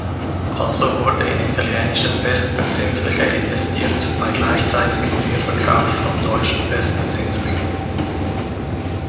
Also wurde in italienische Festverzinsliche investiert bei gleichzeitigem Leerverkauf von deutschen Festverzinslichen.